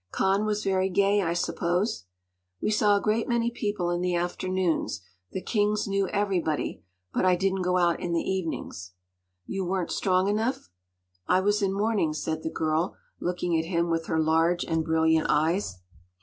” “Cannes was very gay, I suppose?” “We saw a great many people in the afternoons. The Kings knew everybody. But I didn’t go out in the evenings.” “You weren’t strong enough?” “I was in mourning,” said the girl, looking at him with her large and brilliant eyes.